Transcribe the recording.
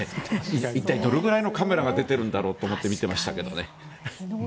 一体どれぐらいのカメラが出ているんだろうと思って見ていましたけどね。